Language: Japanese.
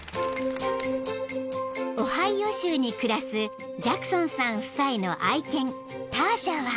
［オハイオ州に暮らすジャクソンさん夫妻の愛犬ターシャは］